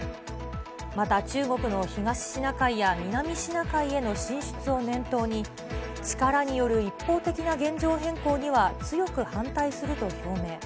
また、中国の東シナ海や南シナ海への進出を念頭に、力による一方的な現状変更には強く反対すると表明。